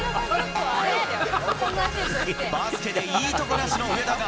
バスケでいいとこなしの上田が、